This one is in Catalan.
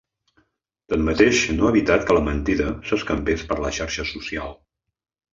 Tanmateix, no ha evitat que la mentida s’escampés per la xarxa social.